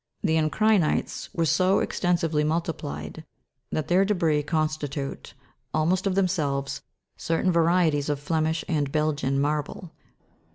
The encri'nites were so extensively multiplied that their debris constitute, almost of themselves, certain varieties of Flemish and Belgian marble.